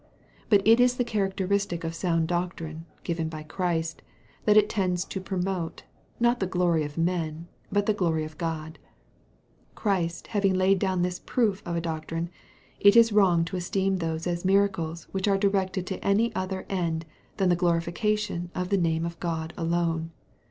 But it is the characteristic of sound doctrine, given by Christ, that it tends to promote, not the glory of men, but the glory of God. Christ having laid down this proof of a doctrine, it is wrong to esteem those as miracles which are directed to any other end than the glorification of the name of God alone.